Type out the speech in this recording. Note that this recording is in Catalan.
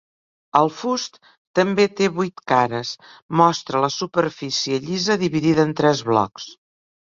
El fust també té vuit cares, mostra la superfície llisa dividida en tres blocs.